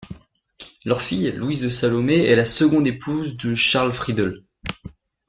Leur fille Louise Salomé est la seconde épouse de Charles Friedel.